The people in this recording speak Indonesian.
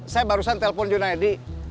saya barusan telpon junaidi